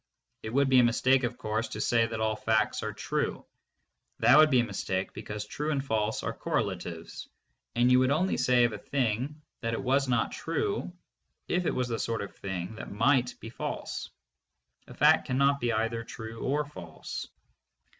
It would be a mistake, of course, to say that all facts are true. That would be a mistake because true and false are correlatives, and you would only say of a thing that it was true if it was the sort of thing that might be false. A fact cannot be either true or false.